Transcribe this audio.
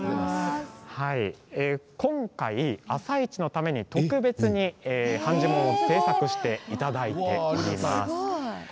今回、「あさイチ」のために特別に判じもんを制作していただいています。